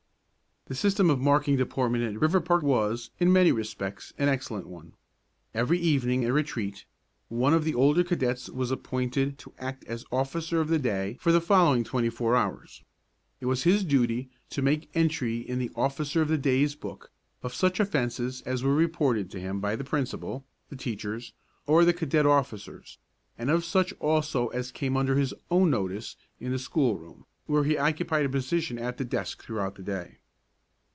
The system of marking deportment at Riverpark was, in many respects, an excellent one. Every evening, at retreat, one of the older cadets was appointed to act as officer of the day for the following twenty four hours. It was his duty to make entry in the "officer of the day's book" of such offences as were reported to him by the principal, the teachers, or the cadet officers, and of such also as came under his own notice in the schoolroom, where he occupied a position at the desk throughout the day.